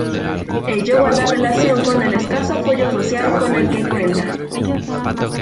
Ello guarda relación con el escaso apoyo social con el que cuenta.